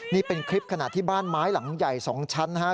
นี่เป็นคลิปขณะที่บ้านไม้หลังใหญ่๒ชั้นนะครับ